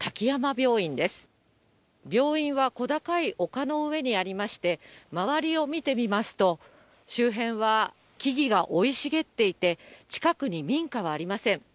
病院は小高い丘の上にありまして、周りを見てみますと、周辺は木々が生い茂っていて、近くに民家はありません。